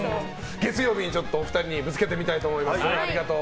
月曜日にお二人にぶつけてみたいと思います。